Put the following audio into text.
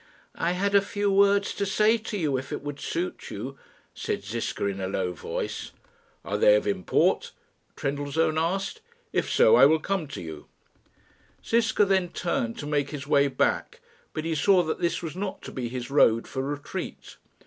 "I had a few words to say to you, if it would suit you," said Ziska, in a low voice. "Are they of import?" Trendellsohn asked. "If so, I will come to you." Ziska then turned to make his way back, but he saw that this was not to be his road for retreat.